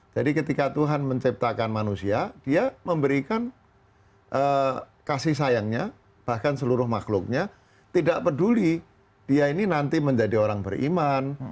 jadi ketika tuhan menciptakan manusia dia memberikan kasih sayangnya bahkan seluruh makhluknya tidak peduli dia ini nanti menjadi orang beriman